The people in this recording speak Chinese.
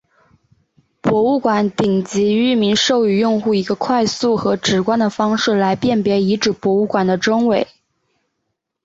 博物馆顶级域名授予用户一个快速和直观的方式来辨别遗址博物馆的真伪。